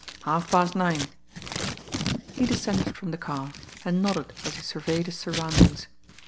"Halfpast nine." He descended from the car, and nodded as he surveyed his surroundings.